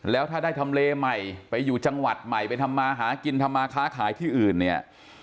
แล้วถ้าได้ทำเลใหม่ไปอยู่จังหวัดใหม่ไปทำมาหากินทำมาค้าขายที่อื่นเนี่ย